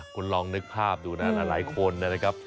คุณลองนึกภาพดูนะหลายคนนะครับ